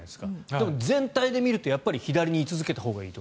でも、全体で言うとやっぱり左に居続けたほうがいいと。